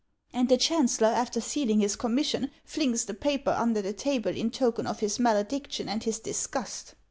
And the chancellor, after sealing his commission, flings the paper under the table in token of his malediction and his dis gust